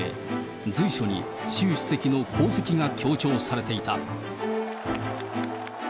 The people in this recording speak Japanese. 随所に習主席の功績が強調されていた。